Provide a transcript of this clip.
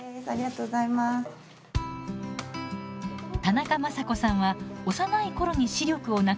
田中正子さんは幼い頃に視力をなくし今は全盲です。